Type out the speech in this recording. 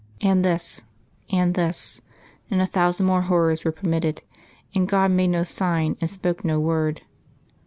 And this ... and this ... and a thousand more horrors were permitted, and God made no sign and spoke no word....